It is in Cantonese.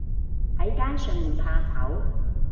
喺街上面怕醜